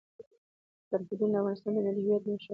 سرحدونه د افغانستان د ملي هویت نښه ده.